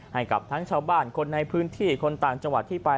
ให้กับทั้งชาวบ้านคนในพื้นที่คนต่างจังหวัดที่ไป